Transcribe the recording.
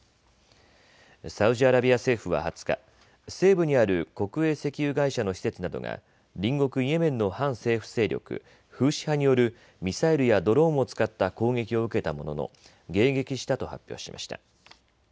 サウジアラビア政府は２０日西部にある国営石油会社の施設などが隣国イエメンの反政府勢力、フーシ派によるミサイルやドローンを使った攻撃を受けたものの迎撃したと発表しました。